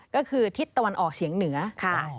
ก็คือทิศตะวันออกเฉียงเหนือค่ะ